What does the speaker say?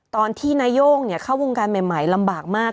ตอนที่นาย่งเข้าวงการใหม่ลำบากมาก